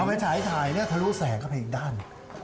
เอาไว้ถ่ายถะลุแสงเข้าไปอีกด้าน